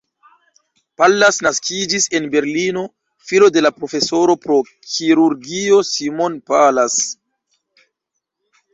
Pallas naskiĝis en Berlino, filo de la profesoro pro kirurgio Simon Pallas.